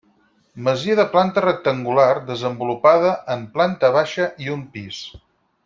Masia de planta rectangular, desenvolupada en planta baixa i un pis.